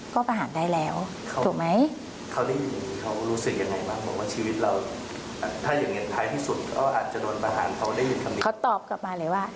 เขาก็ตอบกลับมาเลยว่า